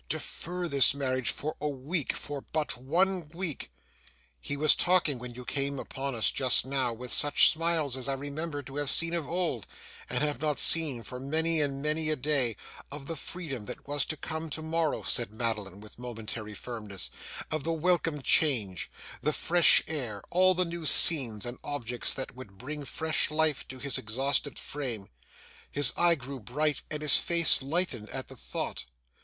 Defer this marriage for a week. For but one week!' 'He was talking, when you came upon us just now, with such smiles as I remember to have seen of old, and have not seen for many and many a day, of the freedom that was to come tomorrow,' said Madeline, with momentary firmness, 'of the welcome change, the fresh air: all the new scenes and objects that would bring fresh life to his exhausted frame. His eye grew bright, and his face lightened at the thought.